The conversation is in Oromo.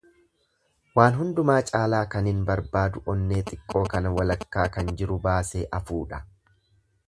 Waan hundumaa caalaa kanin barbaadu onnee xiqqoo kana walakka kan jiru baasee afuu dha.